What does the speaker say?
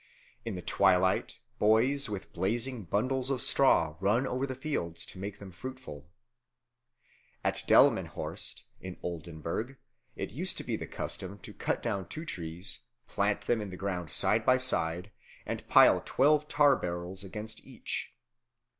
In the twilight boys with blazing bundles of straw run over the fields to make them fruitful. At Delmenhorst, in Oldenburg, it used to be the custom to cut down two trees, plant them in the ground side by side, and pile twelve tar barrels against each.